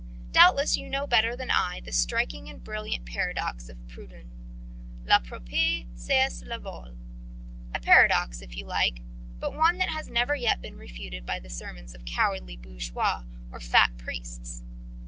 Doubtless you know better than I the striking and brilliant paradox of Proudhon: La propriete c'est le vol a paradox if you like, but one that has never yet been refuted by the sermons of cowardly bourgeois or fat priests.